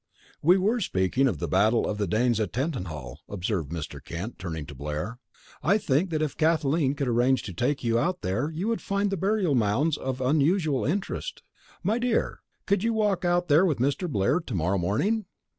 "We were speaking of the battle with the Danes at Tettenhall," observed Mr. Kent, turning to Blair. "I think that if Kathleen could arrange to take you out there you would find the burial mounds of unusual interest. My dear, could you walk out there with Mr. Blair to morrow morning?"